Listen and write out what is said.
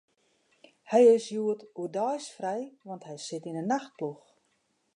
Hy is hjoed oerdeis frij, want hy sit yn 'e nachtploech.